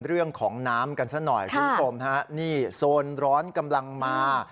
เรื่องของน้ำกันซะหน่อยคุณผู้ชมฮะนี่โซนร้อนกำลังมา